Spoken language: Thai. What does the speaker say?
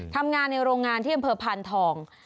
ทำงานในโรงงานที่อำเภอพานทอง